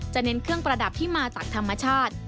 เน้นเครื่องประดับที่มาจากธรรมชาติ